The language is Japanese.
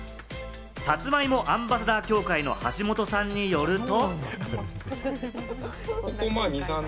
さつまいもアンバサダー協会の橋本さんによると。